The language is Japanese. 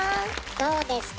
どうですか？